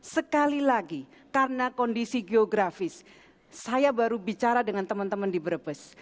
sekali lagi karena kondisi geografis saya baru bicara dengan teman teman di brebes